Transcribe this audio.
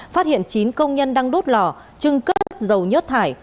phát hiện chín công nhân đang đốt lò trưng cất dầu nhất thải